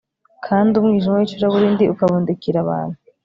kandi umwijima wicuraburindi ukabundikira abantu